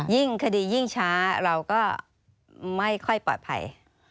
คดียิ่งช้าเราก็ไม่ค่อยปลอดภัย